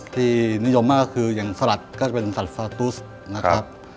ที่นิยมมากก็คืออย่างสลัดก็จะเป็นสัตว์ฟาตุสนะครับ